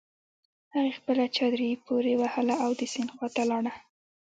هغې خپله چادري پورې وهله او د سيند خواته لاړه.